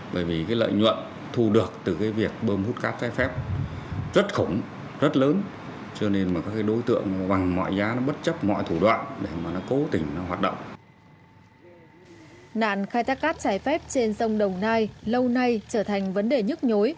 nạn khai thác cát trái phép trên sông đồng nai lâu nay trở thành vấn đề nhức nhối